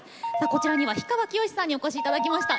こちらには氷川きよしさんにお越しいただきました。